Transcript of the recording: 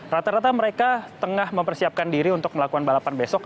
rata rata mereka tengah mempersiapkan diri untuk melakukan balapan besok